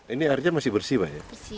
ini airnya masih bersih pak ya